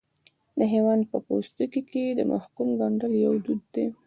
د حیوان په پوستکي کې د محکوم ګنډل یو دود و.